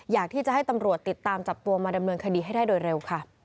อยากที่จะให้ตำรวจติดตามจับตัวมาดำเนินคดีให้ได้โดยเร็วค่ะ